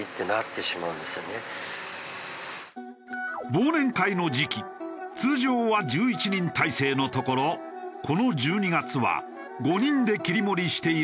忘年会の時期通常は１１人体制のところこの１２月は５人で切り盛りしているという。